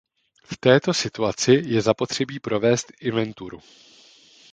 V této situaci je zapotřebí provést inventuru.